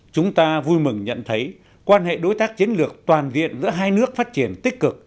chúng ta vui mừng nhận thấy quan hệ đối tác chiến lược toàn diện giữa hai nước phát triển tích cực